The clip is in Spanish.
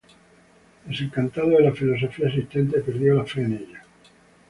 Desencantado de la filosofía existente, perdió la fe en ella.